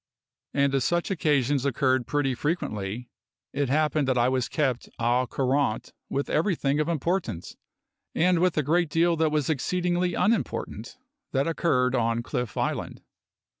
And as such occasions occurred pretty frequently, it happened that I was kept au courant with everything of importance and with a great deal that was exceedingly unimportant that occurred on Cliff Island.